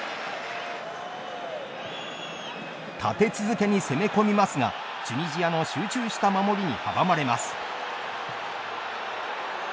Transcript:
立て続けに攻め込みますがチュニジアの集中した守りに阻まれます。